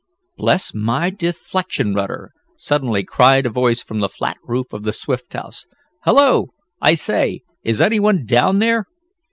"Bless my deflection rudder!" suddenly cried a voice from the flat roof of the Swift house. "Hello! I say, is anyone down there?"